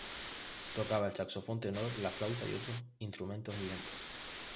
Tocaba el saxofón tenor, la flauta y otros instrumentos de viento.